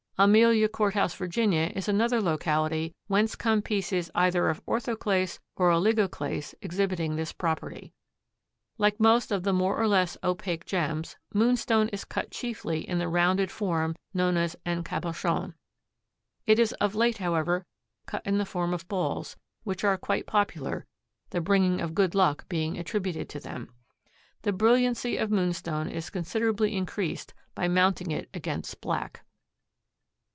Amelia Court House, Virginia, is another locality whence come pieces either of orthoclase or oligoclase exhibiting this property. Like most of the more or less opaque gems, moonstone is cut chiefly in the rounded form known as en cabochon. It is of late, however, cut in the form of balls, which are quite popular, the bringing of good luck being attributed to them. The brilliancy of moonstone is considerably increased by mounting it against black.